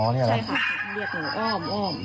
อ๋อเรียกหนูอ้อมอ้อม